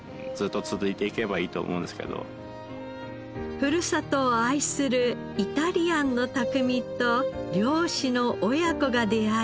ふるさとを愛するイタリアンの匠と漁師の親子が出会い